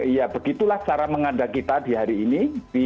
ya begitulah cara mengandang kita di hari ini